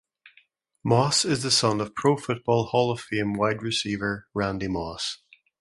Moss is the son of Pro Football Hall of Fame wide receiver Randy Moss.